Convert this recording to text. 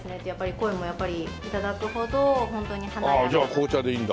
声もやっぱり頂くほど本当に華やか。